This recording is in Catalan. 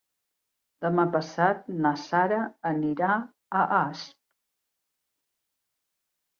Demà passat na Sara anirà a Asp.